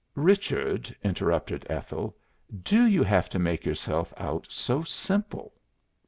'" "Richard," interrupted Ethel, "do you have to make yourself out so simple?"